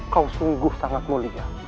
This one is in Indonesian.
kau sungguh sangat mulia